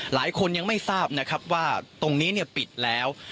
หลายคนยังไม่ทราบนะครับว่าตรงนี้ปิดแล้ว